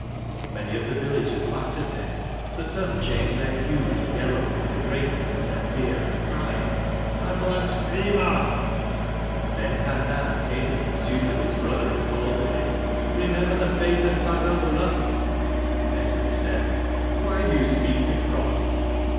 Many of the villagers laughed at him, but some changed their hue to yellow for the greatness of their fear, and cried: " A Blasphemer! " Then Khandan came in pursuit of his brother and called to him: " Remember the fate of Fazl Ullah." Nesemi said: "Why do you speak to God?"